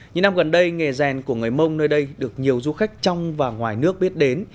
những năm gần đây nghề rèn của người mông nơi đây được nhiều du khách trong và ngoài nước biết đến